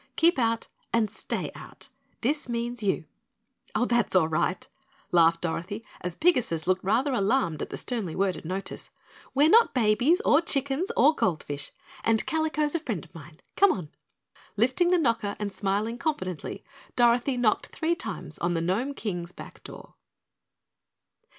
Keep out and stay out. This means YOU." "Oh, that's all right," laughed Dorothy as Pigasus looked rather alarmed at the sternly worded notice. "We're not babies or chickens or gold fish, and Kalico's a friend of mine. Come on!" Lifting the knocker and smiling confidently, Dorothy knocked three times on the Gnome King's back door.